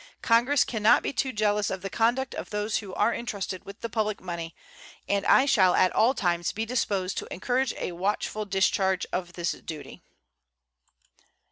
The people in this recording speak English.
Congress can not be too jealous of the conduct of those who are intrusted with the public money, and I shall at all times be disposed to encourage a watchful discharge of this duty.